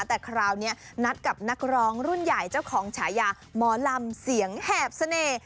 แต่คราวนี้นัดกับนักร้องรุ่นใหญ่เจ้าของฉายาหมอลำเสียงแหบเสน่ห์